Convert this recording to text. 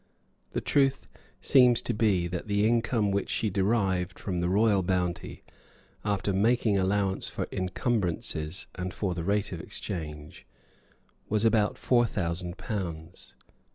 The truth seems to be that the income which she derived from the royal bounty, after making allowance for incumbrances and for the rate of exchange, was about four thousand pounds.